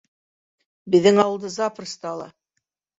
Беҙҙең ауылды запросто ала.